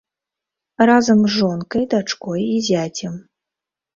Разам з жонкай, дачкой і зяцем.